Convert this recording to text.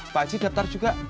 pak ji daftar juga